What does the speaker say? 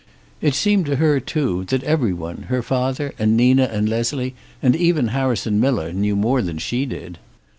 It seemed to her, too, that every one, her father and Nina and Leslie and even Harrison Miller, knew more than she did.